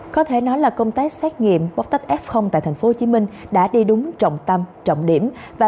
có thể nói là công tác xét nghiệm potech f tại tp hcm đã đi đúng trọng tâm trọng điểm và